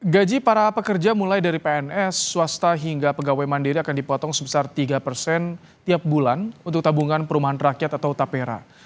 gaji para pekerja mulai dari pns swasta hingga pegawai mandiri akan dipotong sebesar tiga persen tiap bulan untuk tabungan perumahan rakyat atau tapera